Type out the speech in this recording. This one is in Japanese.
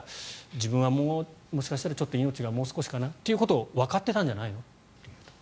自分はもしかしたら命がもう少しかなとわかっていたんじゃないかと。